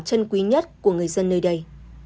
chân quý nhất của người dân nơi đây